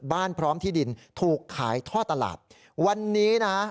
พร้อมที่ดินถูกขายท่อตลาดวันนี้นะ